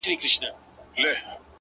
اې گوره تاته وايم؛